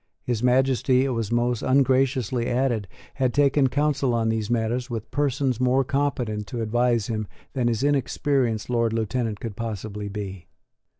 His Majesty, it was most ungraciously added, had taken counsel on these matters with persons more competent to advise him than his inexperienced Lord Lieutenant could possibly be.